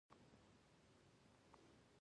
په هر سيمه چی بريښنا شی، تندر پر يوزی زموږ په کلی